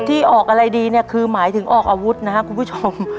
ที่ออกอะไรดีเนี่ยคือหมายถึงออกอาวุธนะครับคุณผู้ชม